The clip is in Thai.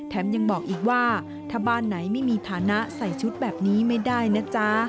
ยังบอกอีกว่าถ้าบ้านไหนไม่มีฐานะใส่ชุดแบบนี้ไม่ได้นะจ๊ะ